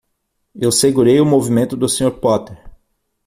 Eu segurei o movimento do Sr. Potter.